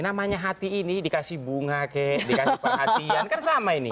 namanya hati ini dikasih bunga kek dikasih perhatian kan sama ini